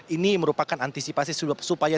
ini merupakan antisipasi supaya